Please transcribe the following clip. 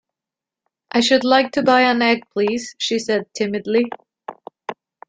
‘I should like to buy an egg, please,’ she said timidly.